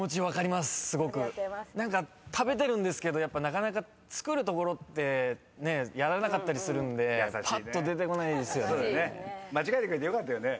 何か食べてるんですけどやっぱなかなか作るところってねやらなかったりするんでぱっと出てこないですよね。